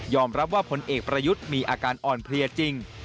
รับว่าผลเอกประยุทธ์มีอาการอ่อนเพลียจริง